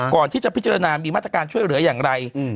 ก่อนที่จะพิจารณามีมาตรการช่วยเหลืออย่างไร